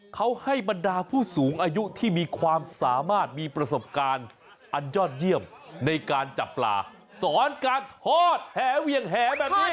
เขาให้บรรดาผู้สูงอายุที่มีความสามารถมีประสบการณ์อันยอดเยี่ยมในการจับปลาสอนการทอดแหเวียงแหแบบนี้